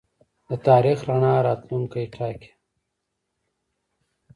د تاریخ رڼا راتلونکی ټاکي.